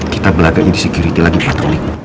kita belakang ini security lagi patroli